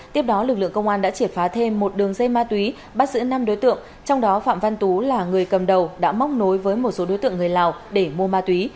tiếp đó lực lượng công an đã triệt phá thêm một đường dây ma túy bắt giữ năm đối tượng trong đó phạm văn tú là người cầm đầu đã móc nối với một số đối tượng người lào để mua ma túy